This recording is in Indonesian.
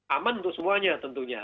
aman untuk semuanya tentunya